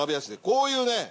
こういうね。